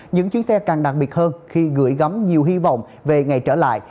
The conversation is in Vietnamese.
những chuyến xe càng đặc biệt hơn khi gửi gắm nhiều hy vọng về ngày trở lại